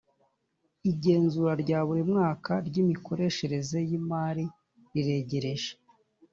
igenzura rya buri mwaka ry’imikoreshereze y’imari riregereje